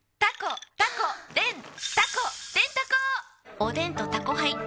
おでんと「タコハイ」ん！